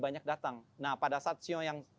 banyak datang nah pada saat sio yang